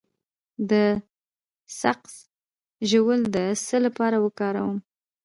د سقز ژوول د څه لپاره وکاروم؟